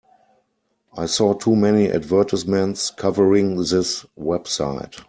I saw too many advertisements covering this website.